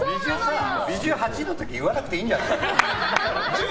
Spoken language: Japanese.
ビジュ８の時言わなくていいんじゃない？